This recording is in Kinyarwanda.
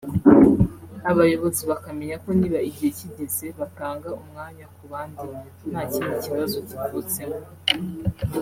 abayobozi bakamenya ko niba igihe kigeze batanga umwanya ku bandi nta kindi kibazo kivutsemo